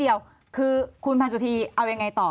เดียวคือคุณพันสุธีเอายังไงต่อ